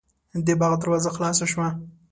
د باغ دروازه خلاصه شوه.